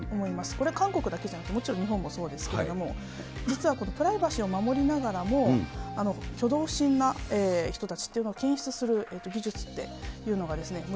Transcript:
これ、韓国だけじゃなく、もちろん日本もそうですけれども、実はこれ、プライバシーを守りながらも、挙動不審な人たちっていうのを検出する技術っていうのがもう